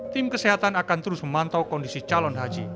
tim kesehatan akan terus memantau kondisi calon haji